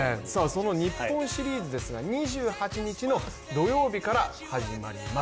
その日本シリーズですが、２８日の土曜日から始まります。